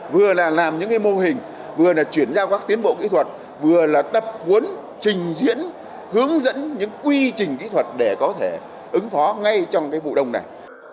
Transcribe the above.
vừa là làm những mô hình vừa là chuyển giao các tiến bộ kỹ thuật vừa là tập huấn trình diễn hướng dẫn những quy trình kỹ thuật để có thể ứng phó ngay trong vụ đông này